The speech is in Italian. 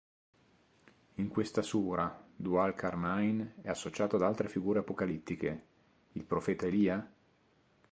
In questa sura Dhu al-Qarnayn è associato ad altre figure "apocalittiche": il profeta Elia?